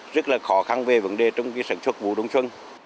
rất là khó khăn về vấn đề trong sản xuất vụ đông xuân